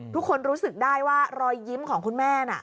ทุกคนรู้สึกได้ว่ารอยยิ้มของคุณแม่น่ะ